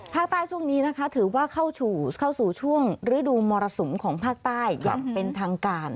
ช่วงนี้นะคะถือว่าเข้าสู่ช่วงฤดูมรสุมของภาคใต้อย่างเป็นทางการ